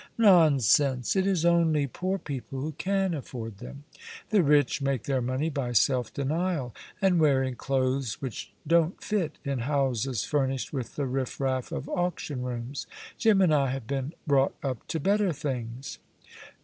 "Nonsense. It is only poor people who can afford them. The rich make their money by self denial, and wearing clothes which don't fit, in houses furnished with the riff raff of auction rooms. Jim and I have been brought up to better things."